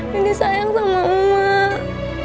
dia disayang sama mak